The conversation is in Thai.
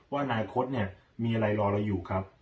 ว่าอนาคตเนี่ยมีอะไรรอเราอยู่ครับ